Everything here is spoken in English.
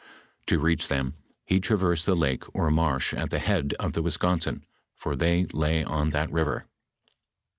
To reach them, he traversed the lake or marsh at the head of the Wisconsin, for they lay on that river.